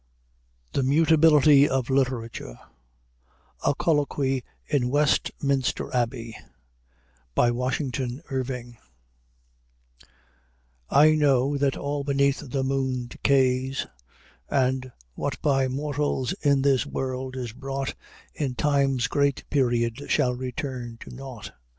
THE MUTABILITY OF LITERATURE A COLLOQUY IN WESTMINSTER ABBEY WASHINGTON IRVING "I know that all beneath the moon decays, And what by mortals in this world is brought, In time's great period shall return to nought.